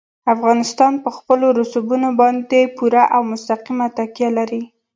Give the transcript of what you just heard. افغانستان په خپلو رسوبونو باندې پوره او مستقیمه تکیه لري.